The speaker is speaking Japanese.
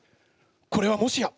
これはもしや！